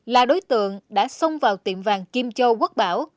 là đối tượng đã xông vào tiệm vàng kim châu quốc bảo